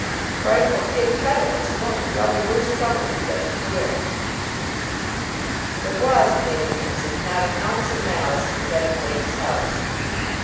"The frightful kid cut it this morning. There'll be worse trouble if he does it again." There was, it may be mentioned, not an ounce of malice in the head of Wain's house.